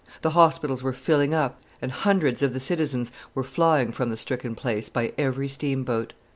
The hospitals were filling up, and hundreds of the citizens were flying from the stricken place by every steamboat.